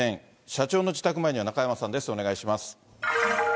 社長の自宅前には中山さんです。